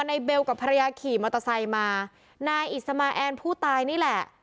เบลกับภรรยาขี่มอเตอร์ไซค์มานายอิสมาแอนผู้ตายนี่แหละ